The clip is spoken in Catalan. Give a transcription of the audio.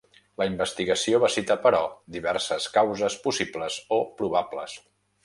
La investigació va citar, però, diverses causes possibles o probables.